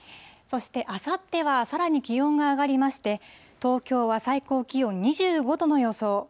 そして、あさってはさらに気温が上がりまして、東京は最高気温２５度の予想。